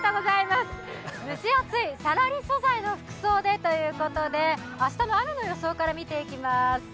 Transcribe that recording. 蒸し暑い、サラリ素材の服装でということで、明日の雨の予想から見ていきます。